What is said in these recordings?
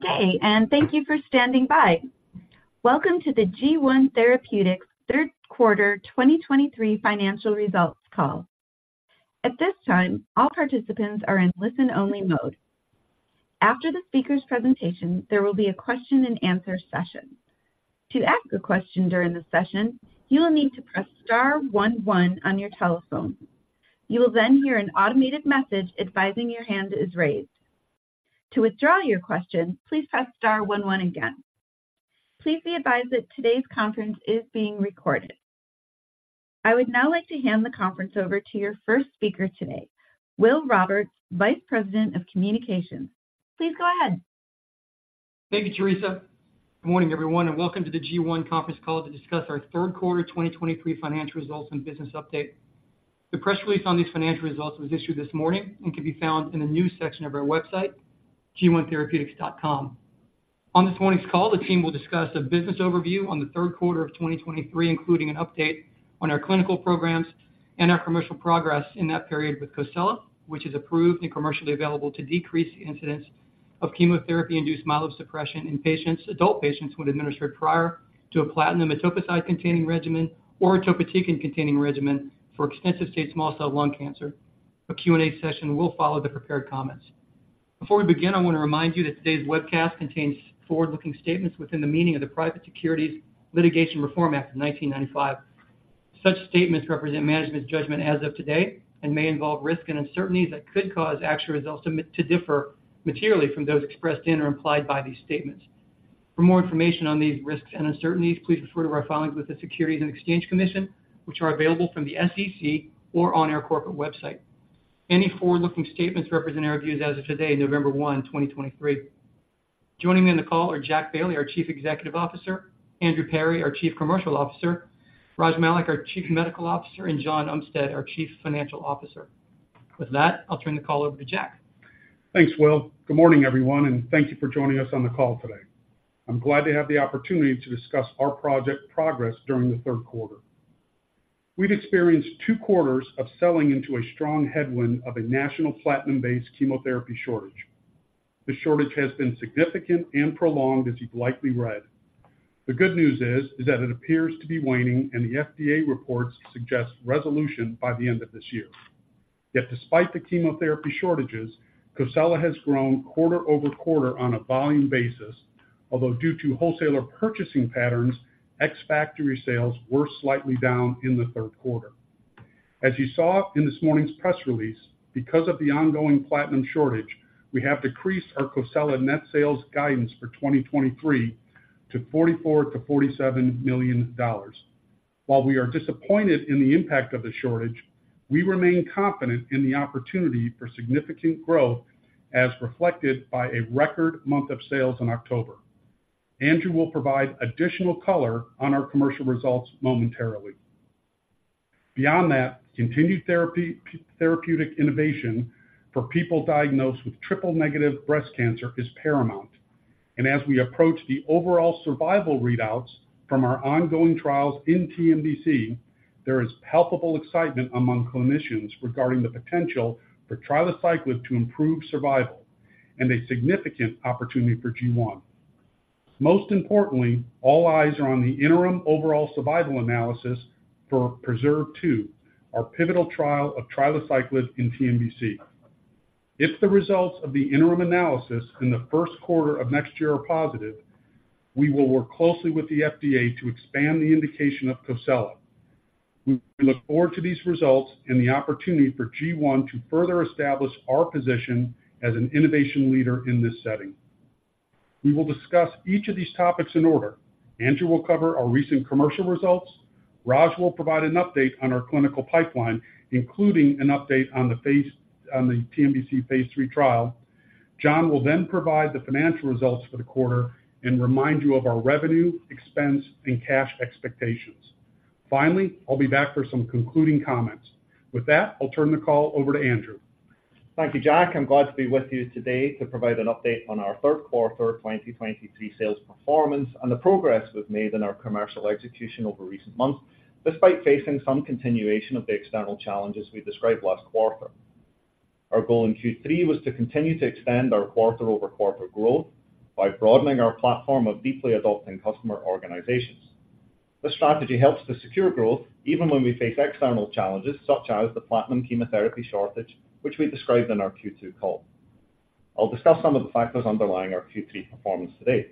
Good day, and thank you for standing by. Welcome to the G1 Therapeutics Third Quarter 2023 Financial Results Call. At this time, all participants are in listen-only mode. After the speaker's presentation, there will be a question-and-answer session. To ask a question during the session, you will need to press star one one on your telephone. You will then hear an automated message advising your hand is raised. To withdraw your question, please press star one one again. Please be advised that today's conference is being recorded. I would now like to hand the conference over to your first speaker today, Will Roberts, Vice President of Communications. Please go ahead. Thank you, Teresa. Good morning, everyone, and welcome to the G1 Conference Call to discuss our Third Quarter 2023 Financial Results and Business Update. The press release on these financial results was issued this morning and can be found in the news section of our website, g1therapeutics.com. On this morning's call, the team will discuss a business overview on the third quarter of 2023, including an update on our clinical programs and our commercial progress in that period with COSELA, which is approved and commercially available to decrease the incidence of chemotherapy-induced myelosuppression in adult patients, when administered prior to a platinum/etoposide-containing regimen or etoposide-containing regimen for extensive-stage small cell lung cancer. A Q&A session will follow the prepared comments. Before we begin, I want to remind you that today's webcast contains forward-looking statements within the meaning of the Private Securities Litigation Reform Act of 1995. Such statements represent management's judgment as of today and may involve risks and uncertainties that could cause actual results to differ materially from those expressed in or implied by these statements. For more information on these risks and uncertainties, please refer to our filings with the Securities and Exchange Commission, which are available from the SEC or on our corporate website. Any forward-looking statements represent our views as of today, November 1, 2023. Joining me on the call are Jack Bailey, our Chief Executive Officer, Andrew Perry, our Chief Commercial Officer, Raj Malik, our Chief Medical Officer, and John Umstead, our Chief Financial Officer. With that, I'll turn the call over to Jack. Thanks, Will. Good morning, everyone, and thank you for joining us on the call today. I'm glad to have the opportunity to discuss our project progress during the third quarter. We've experienced two quarters of selling into a strong headwind of a national platinum-based chemotherapy shortage. The shortage has been significant and prolonged, as you've likely read. The good news is that it appears to be waning, and the FDA reports suggest resolution by the end of this year. Yet despite the chemotherapy shortages, COSELA has grown quarter-over-quarter on a volume basis, although due to wholesaler purchasing patterns, ex-factory sales were slightly down in the third quarter. As you saw in this morning's press release, because of the ongoing platinum shortage, we have decreased our COSELA net sales guidance for 2023 to $44 million to $47 million. While we are disappointed in the impact of the shortage, we remain confident in the opportunity for significant growth, as reflected by a record month of sales in October. Andrew will provide additional color on our commercial results momentarily. Beyond that, continued therapy, therapeutic innovation for people diagnosed with triple-negative breast cancer is paramount. And as we approach the overall survival readouts from our ongoing trials in TNBC, there is palpable excitement among clinicians regarding the potential for trilaciclib to improve survival and a significant opportunity for G1. Most importantly, all eyes are on the interim overall survival analysis for PRESERVE 2, our pivotal trial of trilaciclib in TNBC. If the results of the interim analysis in the first quarter of next year are positive, we will work closely with the FDA to expand the indication of COSELA. We look forward to these results and the opportunity for G1 to further establish our position as an innovation leader in this setting. We will discuss each of these topics in order. Andrew will cover our recent commercial results. Raj will provide an update on our clinical pipeline, including an update on the TNBC phase III trial. John will then provide the financial results for the quarter and remind you of our revenue, expense, and cash expectations. Finally, I'll be back for some concluding comments. With that, I'll turn the call over to Andrew. Thank you, Jack. I'm glad to be with you today to provide an update on our third quarter 2023 sales performance and the progress we've made in our commercial execution over recent months, despite facing some continuation of the external challenges we described last quarter. Our goal in Q3 was to continue to extend our quarter-over-quarter growth by broadening our platform of deeply adopting customer organizations. This strategy helps to secure growth even when we face external challenges, such as the platinum chemotherapy shortage, which we described in our Q2 call. I'll discuss some of the factors underlying our Q3 performance today.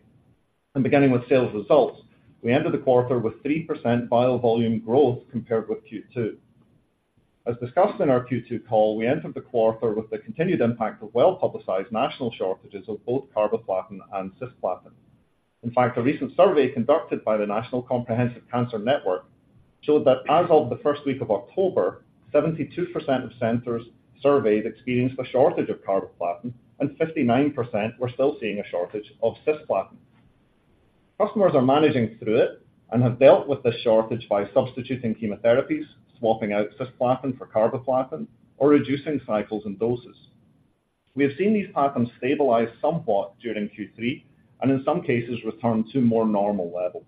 Beginning with sales results, we ended the quarter with 3% vial volume growth compared with Q2. As discussed in our Q2 call, we entered the quarter with the continued impact of well-publicized national shortages of both carboplatin and cisplatin. In fact, a recent survey conducted by the National Comprehensive Cancer Network showed that as of the first week of October, 72% of centers surveyed experienced a shortage of carboplatin, and 59% were still seeing a shortage of cisplatin. Customers are managing through it and have dealt with this shortage by substituting chemotherapies, swapping out cisplatin for carboplatin, or reducing cycles and doses. We have seen these patterns stabilize somewhat during Q3 and, in some cases, return to more normal levels....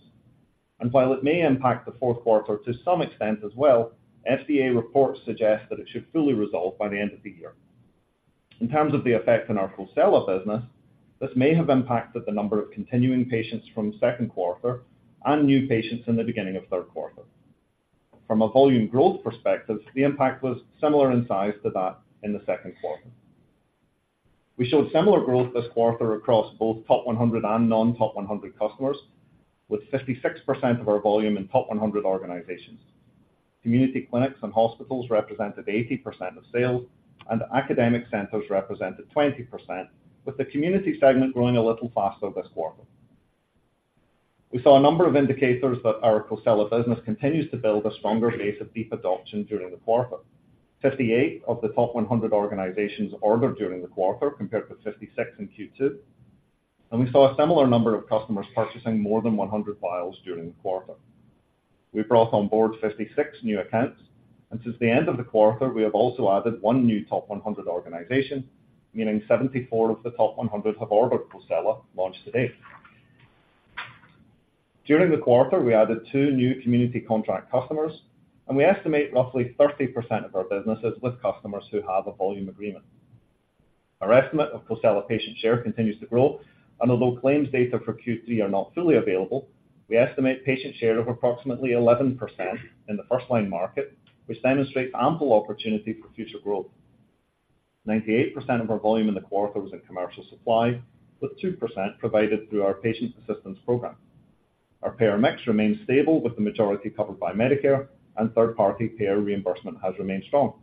And while it may impact the fourth quarter to some extent as well, FDA reports suggest that it should fully resolve by the end of the year. In terms of the effect on our COSELA business, this may have impacted the number of continuing patients from second quarter and new patients in the beginning of third quarter. From a volume growth perspective, the impact was similar in size to that in the second quarter. We showed similar growth this quarter across both top 100 and non-top 100 customers, with 56% of our volume in top 100 organizations. Community clinics and hospitals represented 80% of sales, and academic centers represented 20%, with the community segment growing a little faster this quarter. We saw a number of indicators that our COSELA business continues to build a stronger base of deep adoption during the quarter. 58 of the top 100 organizations ordered during the quarter, compared to 56 in Q2, and we saw a similar number of customers purchasing more than 100 vials during the quarter. We brought on board 56 new accounts, and since the end of the quarter, we have also added one new top 100 organization, meaning 74 of the top 100 have ordered COSELA launched to date. During the quarter, we added two new community contract customers, and we estimate roughly 30% of our business is with customers who have a volume agreement. Our estimate of COSELA patient share continues to grow, and although claims data for Q3 are not fully available, we estimate patient share of approximately 11% in the first line market, which demonstrates ample opportunity for future growth. 98% of our volume in the quarter was in commercial supply, with 2% provided through our patient assistance program. Our payer mix remains stable, with the majority covered by Medicare, and third-party payer reimbursement has remained strong.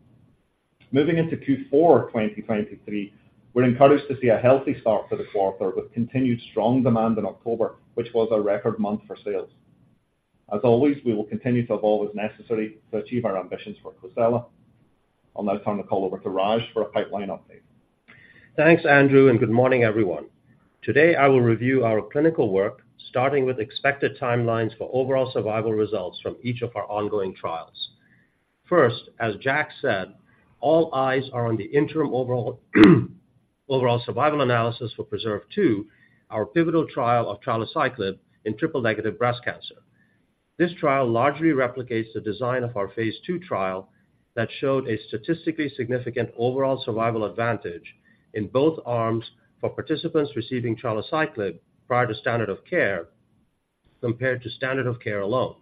Moving into Q4, 2023, we're encouraged to see a healthy start to the quarter, with continued strong demand in October, which was a record month for sales. As always, we will continue to evolve as necessary to achieve our ambitions for COSELA. I'll now turn the call over to Raj for a pipeline update. Thanks, Andrew, and good morning, everyone. Today, I will review our clinical work, starting with expected timelines for overall survival results from each of our ongoing trials. First, as Jack said, all eyes are on the interim overall survival analysis for PRESERVE 2, our pivotal trial of trilaciclib in triple-negative breast cancer. This trial largely replicates the design of our phase II trial that showed a statistically significant overall survival advantage in both arms for participants receiving trilaciclib prior to standard of care, compared to standard of care alone.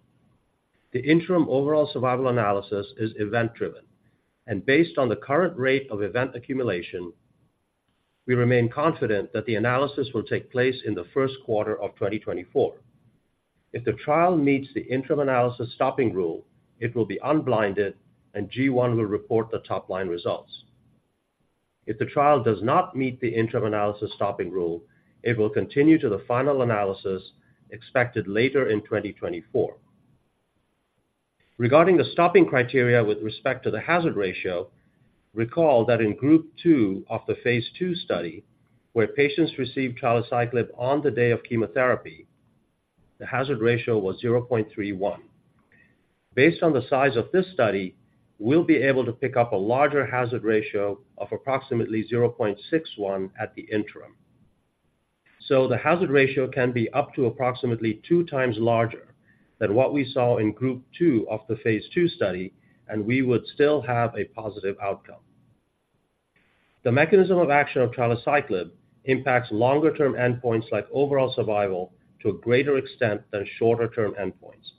The interim overall survival analysis is event-driven and based on the current rate of event accumulation. We remain confident that the analysis will take place in the first quarter of 2024. If the trial meets the interim analysis stopping rule, it will be unblinded, and G1 will report the top-line results. If the trial does not meet the interim analysis stopping rule, it will continue to the final analysis expected later in 2024. Regarding the stopping criteria with respect to the hazard ratio, recall that in Group 2 of the Phase II study, where patients received trilaciclib on the day of chemotherapy, the hazard ratio was 0.31. Based on the size of this study, we'll be able to pick up a larger hazard ratio of approximately 0.61 at the interim. So the hazard ratio can be up to approximately 2x larger than what we saw in Group 2 of the Phase II study, and we would still have a positive outcome. The mechanism of action of trilaciclib impacts longer-term endpoints like overall survival, to a greater extent than shorter-term endpoints.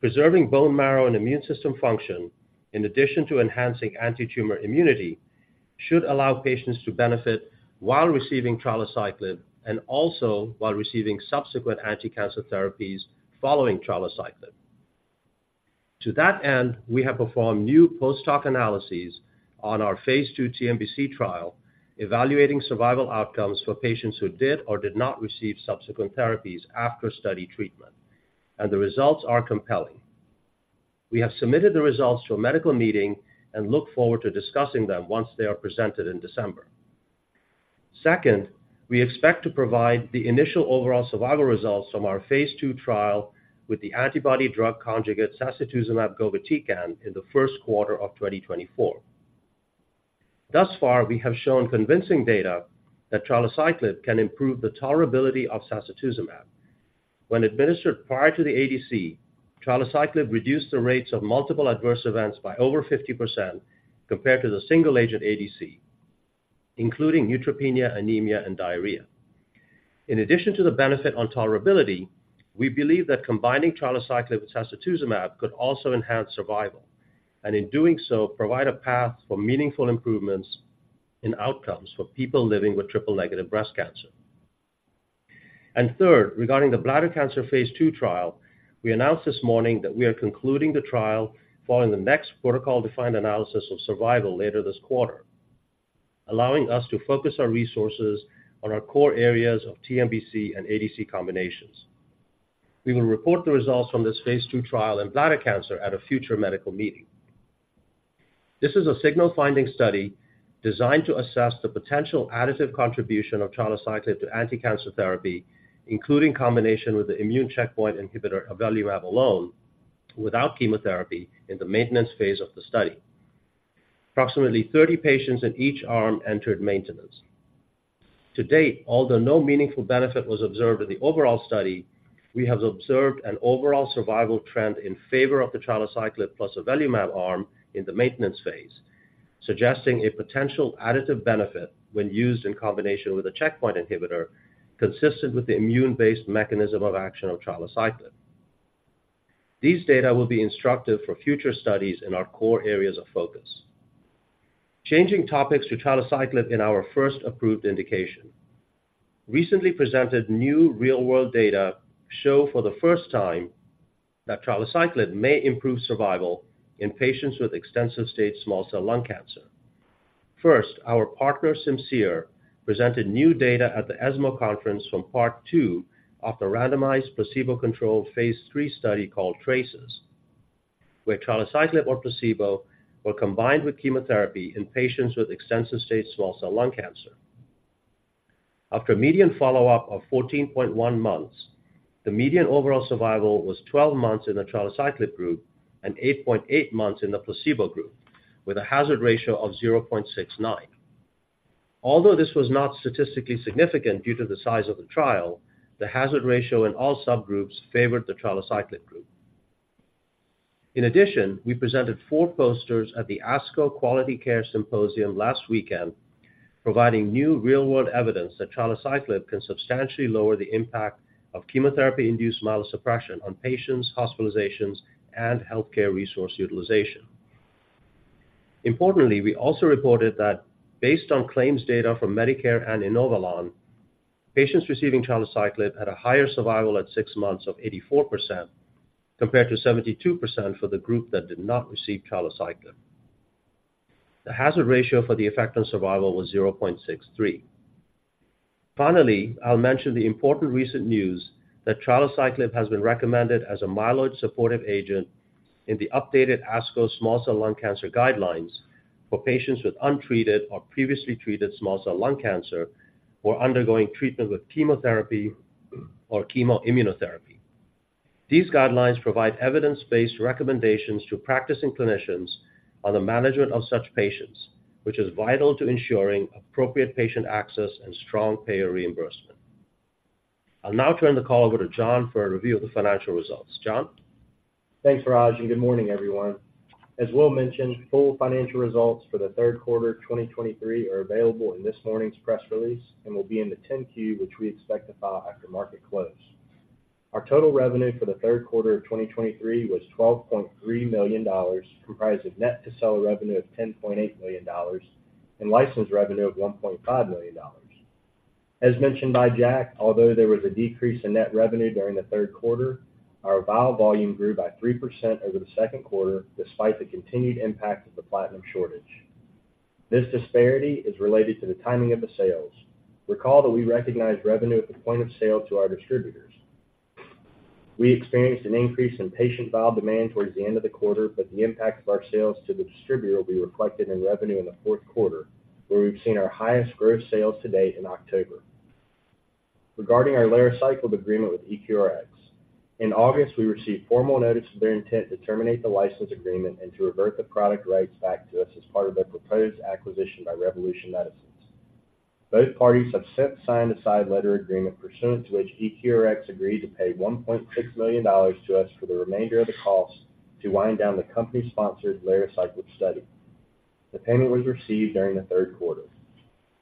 Preserving bone marrow and immune system function, in addition to enhancing antitumor immunity, should allow patients to benefit while receiving trilaciclib and also while receiving subsequent anticancer therapies following trilaciclib. To that end, we have performed new post-hoc analyses on our Phase II TNBC trial, evaluating survival outcomes for patients who did or did not receive subsequent therapies after study treatment, and the results are compelling. We have submitted the results to a medical meeting and look forward to discussing them once they are presented in December. Second, we expect to provide the initial overall survival results from our Phase II trial with the antibody-drug conjugate sacituzumab govitecan in the first quarter of 2024. Thus far, we have shown convincing data that trilaciclib can improve the tolerability of sacituzumab. When administered prior to the ADC, trilaciclib reduced the rates of multiple adverse events by over 50% compared to the single-agent ADC, including neutropenia, anemia, and diarrhea. In addition to the benefit on tolerability, we believe that combining trilaciclib with sacituzumab could also enhance survival, and in doing so, provide a path for meaningful improvements in outcomes for people living with triple-negative breast cancer. And third, regarding the bladder cancer phase II trial, we announced this morning that we are concluding the trial following the next protocol-defined analysis of survival later this quarter, allowing us to focus our resources on our core areas of TNBC and ADC combinations. We will report the results from this phase II trial in bladder cancer at a future medical meeting. This is a signal finding study designed to assess the potential additive contribution of trilaciclib to anticancer therapy, including combination with the immune checkpoint inhibitor avelumab alone, without chemotherapy in the maintenance phase of the study. Approximately 30 patients in each arm entered maintenance. To date, although no meaningful benefit was observed in the overall study, we have observed an overall survival trend in favor of the trilaciclib plus avelumab arm in the maintenance phase, suggesting a potential additive benefit when used in combination with a checkpoint inhibitor, consistent with the immune-based mechanism of action of trilaciclib. These data will be instructive for future studies in our core areas of focus. Changing topics to trilaciclib in our first approved indication. Recently presented new real-world data show for the first time that trilaciclib may improve survival in patients with extensive-stage small cell lung cancer. First, our partner, Simcere, presented new data at the ESMO conference from part two of the randomized, placebo-controlled phase III study called TRACES, where trilaciclib or placebo were combined with chemotherapy in patients with extensive-stage small cell lung cancer. After a median follow-up of 14.1 months, the median overall survival was 12 months in the trilaciclib group and 8.8 months in the placebo group, with a hazard ratio of 0.69. Although this was not statistically significant due to the size of the trial, the hazard ratio in all subgroups favored the trilaciclib group. In addition, we presented 4 posters at the ASCO Quality Care Symposium last weekend, providing new real-world evidence that trilaciclib can substantially lower the impact of chemotherapy-induced myelosuppression on patients, hospitalizations, and healthcare resource utilization. Importantly, we also reported that based on claims data from Medicare and Inovalon, patients receiving trilaciclib had a higher survival at six months of 84%, compared to 72% for the group that did not receive trilaciclib. The hazard ratio for the effect on survival was 0.63. Finally, I'll mention the important recent news that trilaciclib has been recommended as a myeloid supportive agent in the updated ASCO small cell lung cancer guidelines for patients with untreated or previously treated small cell lung cancer who are undergoing treatment with chemotherapy or chemo-immunotherapy. These guidelines provide evidence-based recommendations to practicing clinicians on the management of such patients, which is vital to ensuring appropriate patient access and strong payer reimbursement. I'll now turn the call over to John for a review of the financial results. John? Thanks, Raj, and good morning, everyone. As Will mentioned, full financial results for the third quarter of 2023 are available in this morning's press release and will be in the 10-Q, which we expect to file after market close. Our total revenue for the third quarter of 2023 was $12.3 million, comprised of net to seller revenue of $10.8 million and license revenue of $1.5 million. As mentioned by Jack, although there was a decrease in net revenue during the third quarter, our vial volume grew by 3% over the second quarter, despite the continued impact of the platinum shortage. This disparity is related to the timing of the sales. Recall that we recognize revenue at the point of sale to our distributors. We experienced an increase in patient vial demand towards the end of the quarter, but the impact of our sales to the distributor will be reflected in revenue in the fourth quarter, where we've seen our highest gross sales to date in October. Regarding our lerociclib agreement with EQRx, in August, we received formal notice of their intent to terminate the license agreement and to revert the product rights back to us as part of their proposed acquisition by Revolution Medicines. Both parties have since signed a side letter agreement pursuant to which EQRx agreed to pay $1.6 million to us for the remainder of the costs to wind down the company-sponsored lerociclib study. The payment was received during the third quarter.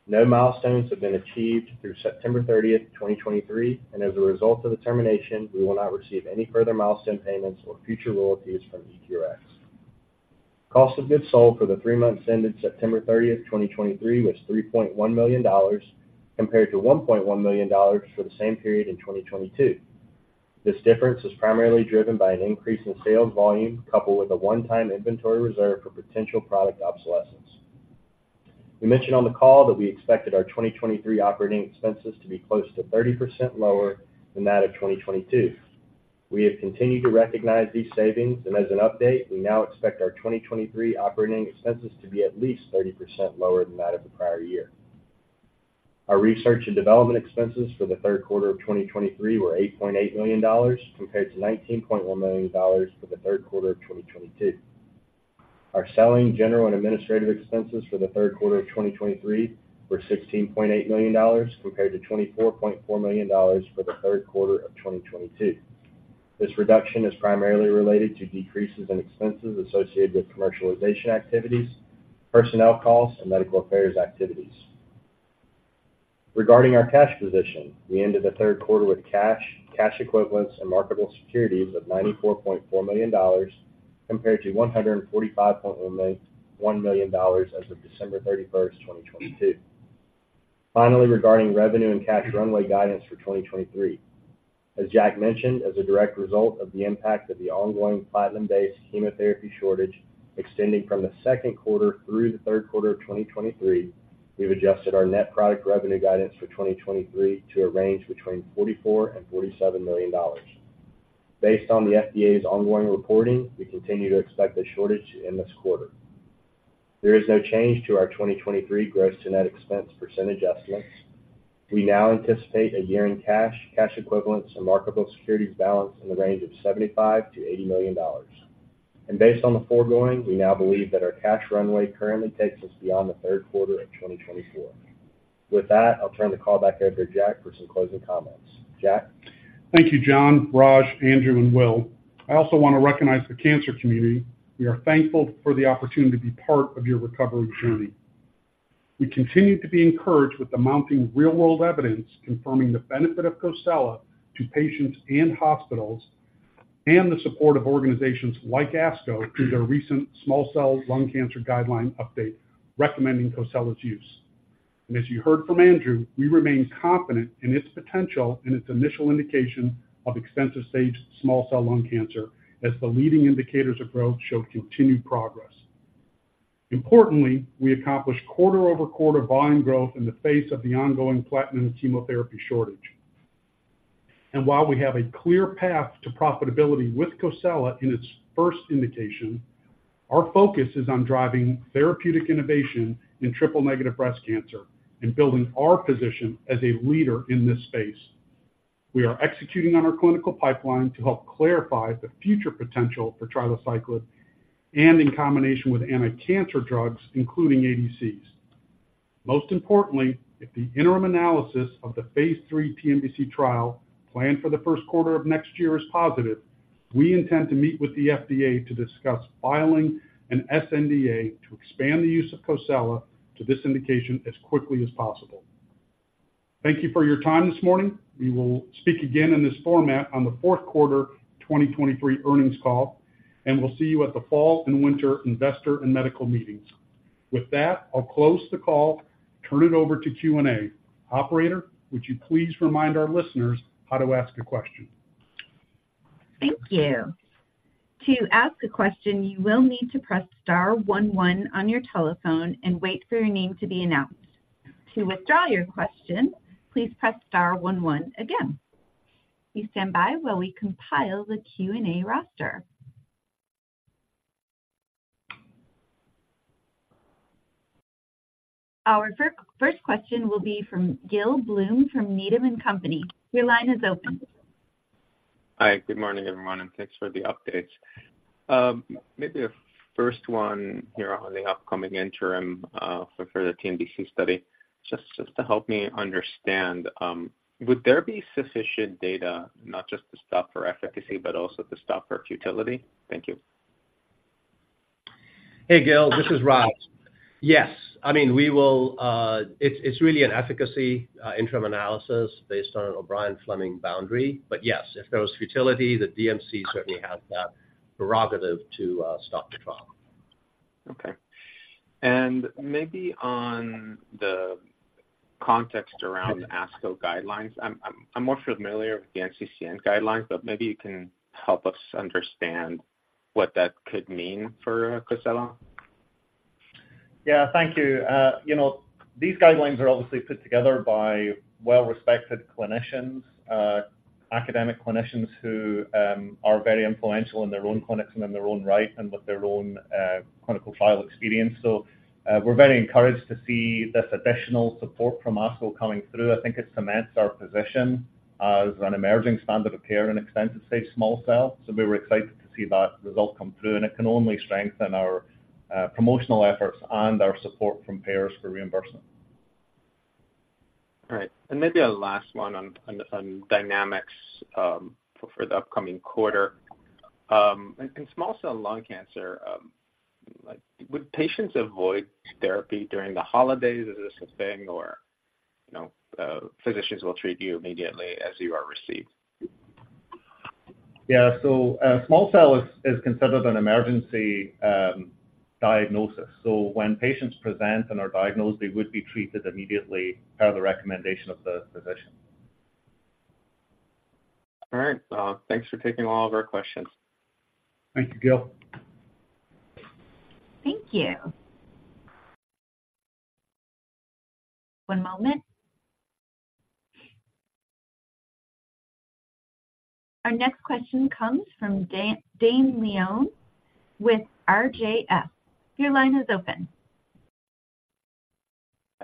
No milestones have been achieved through September 30, 2023, and as a result of the termination, we will not receive any further milestone payments or future royalties from EQRx. Cost of goods sold for the three months ended September 30, 2023, was $3.1 million, compared to $1.1 million for the same period in 2022. This difference is primarily driven by an increase in sales volume, coupled with a one-time inventory reserve for potential product obsolescence. We mentioned on the call that we expected our 2023 operating expenses to be close to 30% lower than that of 2022. We have continued to recognize these savings, and as an update, we now expect our 2023 operating expenses to be at least 30% lower than that of the prior year. Our research and development expenses for the third quarter of 2023 were $8.8 million, compared to $19.1 million for the third quarter of 2022. Our selling, general, and administrative expenses for the third quarter of 2023 were $16.8 million, compared to $24.4 million for the third quarter of 2022. This reduction is primarily related to decreases in expenses associated with commercialization activities, personnel costs, and medical affairs activities. Regarding our cash position, we ended the third quarter with cash, cash equivalents, and marketable securities of $94.4 million, compared to $145.1 million as of December 31, 2022. Finally, regarding revenue and cash runway guidance for 2023. As Jack mentioned, as a direct result of the impact of the ongoing platinum-based chemotherapy shortage, extending from the second quarter through the third quarter of 2023, we've adjusted our net product revenue guidance for 2023 to a range between $44 million and $47 million. Based on the FDA's ongoing reporting, we continue to expect the shortage to end this quarter. There is no change to our 2023 gross to net expense percentage estimates. We now anticipate a year-end cash, cash equivalents, and marketable securities balance in the range of $75 million to $80 million. And based on the foregoing, we now believe that our cash runway currently takes us beyond the third quarter of 2024. With that, I'll turn the call back over to Jack for some closing comments. Jack? Thank you, John, Raj, Andrew, and Will. I also want to recognize the cancer community. We are thankful for the opportunity to be part of your recovery journey. We continue to be encouraged with the mounting real-world evidence confirming the benefit of COSELA to patients and hospitals, and the support of organizations like ASCO through their recent small cell lung cancer guideline update, recommending COSELA's use. As you heard from Andrew, we remain confident in its potential in its initial indication of extensive-stage small cell lung cancer, as the leading indicators of growth show continued progress. Importantly, we accomplished quarter-over-quarter volume growth in the face of the ongoing platinum chemotherapy shortage. While we have a clear path to profitability with COSELA in its first indication, our focus is on driving therapeutic innovation in triple-negative breast cancer and building our position as a leader in this space. We are executing on our clinical pipeline to help clarify the future potential for trilaciclib, and in combination with anticancer drugs, including ADCs. Most importantly, if the interim analysis of the phase III TNBC trial planned for the first quarter of next year is positive, we intend to meet with the FDA to discuss filing an sNDA to expand the use of COSELA to this indication as quickly as possible. Thank you for your time this morning. We will speak again in this format on the fourth quarter 2023 earnings call, and we'll see you at the fall and winter investor and medical meetings. With that, I'll close the call, turn it over to Q&A. Operator, would you please remind our listeners how to ask a question? Thank you. To ask a question, you will need to press star one one on your telephone and wait for your name to be announced. To withdraw your question, please press star one one again. Please stand by while we compile the Q&A roster. Our first question will be from Gil Blum, from Needham and Company. Your line is open. Hi, good morning, everyone, and thanks for the updates. Maybe the first one here on the upcoming interim for the TNBC study. Just to help me understand, would there be sufficient data not just to stop for efficacy, but also to stop for futility? Thank you. Hey, Gil, this is Raj. Yes. I mean, we will... It's really an efficacy interim analysis based on an O'Brien-Fleming boundary. But yes, if there was futility, the DMC certainly has that prerogative to stop the trial. Okay. And maybe on the context around ASCO guidelines. I'm more familiar with the NCCN guidelines, but maybe you can help us understand what that could mean for COSELA. Yeah, thank you. You know, these guidelines are obviously put together by well-respected clinicians, academic clinicians who are very influential in their own clinics and in their own right, and with their own clinical trial experience. So, we're very encouraged to see this additional support from ASCO coming through. I think it cements our position as an emerging standard of care in extensive-stage small cell. So we're excited to see that result come through, and it can only strengthen our promotional efforts and our support from payers for reimbursement. All right. And maybe a last one on dynamics for the upcoming quarter. In small cell lung cancer, like, would patients avoid therapy during the holidays? Is this a thing, or, you know, physicians will treat you immediately as you are received? Yeah. So, small cell is considered an emergency diagnosis. So when patients present and are diagnosed, they would be treated immediately per the recommendation of the physician. All right. Thanks for taking all of our questions. Thank you, Gil. Thank you. One moment. Our next question comes from Dane Leone with RJF. Your line is open.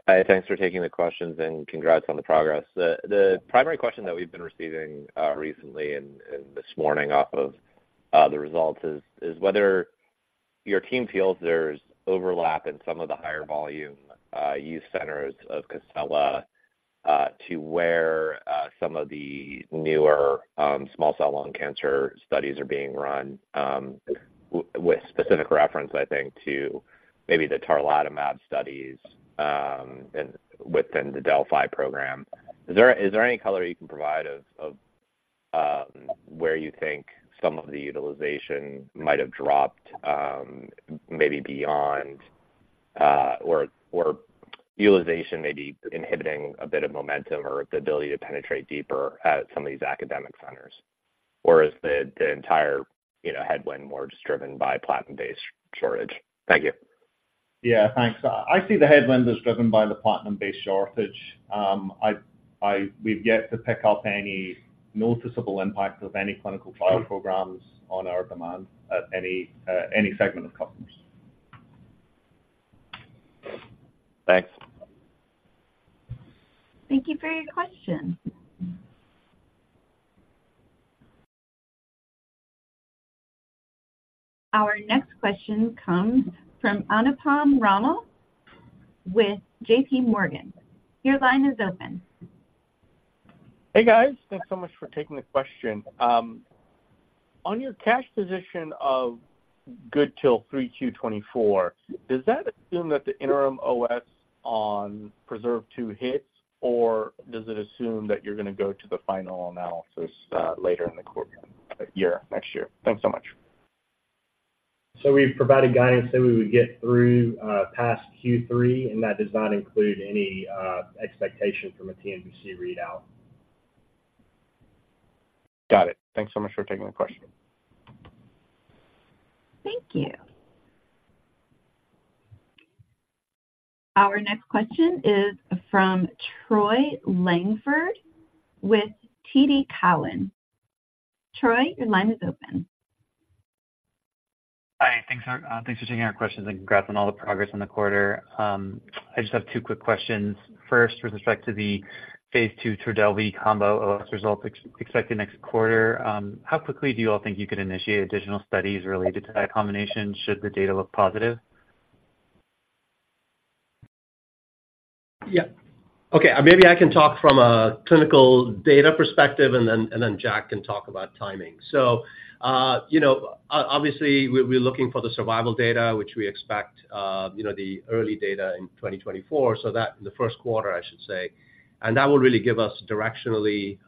Hi, thanks for taking the questions, and congrats on the progress. The primary question that we've been receiving recently and this morning off of the results is whether your team feels there's overlap in some of the higher volume use centers of COSELA to where some of the newer small cell lung cancer studies are being run with specific reference to maybe the tarlatamab studies and within the DeLLphi program. Is there any color you can provide of where you think some of the utilization might have dropped maybe beyond or utilization may be inhibiting a bit of momentum or the ability to penetrate deeper at some of these academic centers? Or is the entire headwind more just driven by platinum-based shortage? Thank you. Yeah, thanks. I see the headwind as driven by the platinum-based shortage. We've yet to pick up any noticeable impact of any clinical trial programs on our demand at any segment of customers. Thanks. Thank you for your question. Our next question comes from Anupam Rama with JP Morgan. Your line is open. Hey, guys. Thanks so much for taking the question. On your cash position of good till 3Q2024, does that assume that the interim OS on PRESERVE 2 hits, or does it assume that you're going to go to the final analysis, later in the quarter year, next year? Thanks so much. We've provided guidance that we would get through past Q3, and that does not include any expectation from a DMC readout. Got it. Thanks so much for taking my question. Thank you. Our next question is from Troy Langford with TD Cowen. Troy, your line is open. Hi, thanks for taking our questions, and congrats on all the progress on the quarter. I just have two quick questions. First, with respect to the phase II Trodelvy combo results expected next quarter, how quickly do you all think you could initiate additional studies related to that combination, should the data look positive? Okay, maybe I can talk from a clinical data perspective, and then Jack can talk about timing. So, you know, obviously, we're looking for the survival data, which we expect, you know, the early data in 2024, so that the first quarter, I should say. And that will really give us directionally,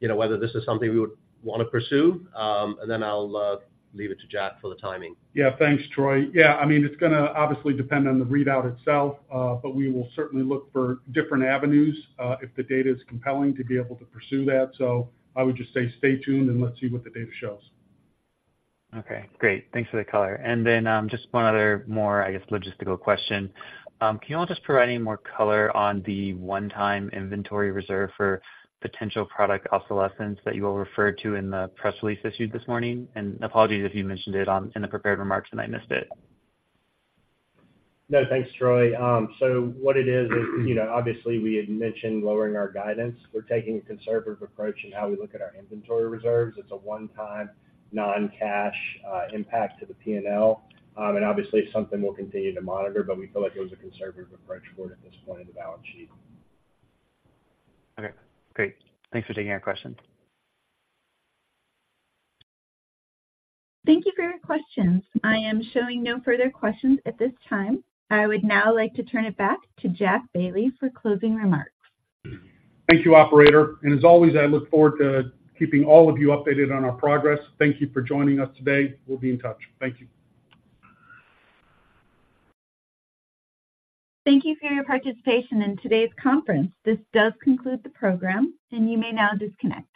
you know, whether this is something we would want to pursue. And then I'll leave it to Jack for the timing. Thanks, Troy. Yeah, I mean, it's going to obviously depend on the readout itself, but we will certainly look for different avenues, if the data is compelling, to be able to pursue that. So I would just say stay tuned and let's see what the data shows. Okay, great. Thanks for the color. And then, just one other more, I guess, logistical question. Can you all just provide any more color on the one-time inventory reserve for potential product obsolescence that you all referred to in the press release issued this morning? And apologies if you mentioned it in the prepared remarks, and I missed it. No, thanks, Troy. So what it is, is, you know, obviously, we had mentioned lowering our guidance. We're taking a conservative approach in how we look at our inventory reserves. It's a one-time, non-cash impact to the P&L. And obviously, it's something we'll continue to monitor, but we feel like it was a conservative approach for it at this point in the balance sheet. Okay, great. Thanks for taking our question. Thank you for your questions. I am showing no further questions at this time. I would now like to turn it back to Jack Bailey for closing remarks. Thank you, operator. As always, I look forward to keeping all of you updated on our progress. Thank you for joining us today. We'll be in touch. Thank you. Thank you for your participation in today's conference. This does conclude the program, and you may now disconnect.